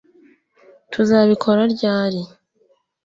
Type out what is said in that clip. Tuzabikora ryari